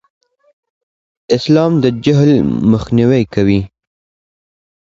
اسلام د جهل مخنیوی کوي.